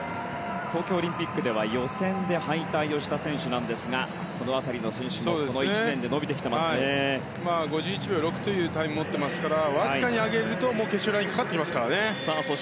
東京オリンピックでは予選で敗退した選手なんですがこの辺りの選手もこの１年で５１秒６というタイムを持ってますからわずかに上げると決勝ラインにかかってきますからね。